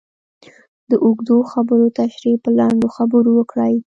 د اوږدو خبرو تشرېح په لنډو خبرو وکړئ.